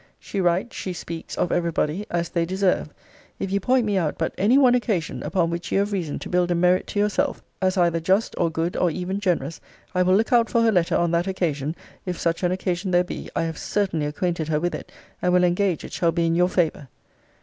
She writes, she speaks, of every body as they deserve. If you point me out but any one occasion, upon which you have reason to build a merit to yourself, as either just or good, or even generous, I will look out for her letter on that occasion [if such an occasion there be, I have certainly acquainted her with it]; and will engage it shall be in your favour.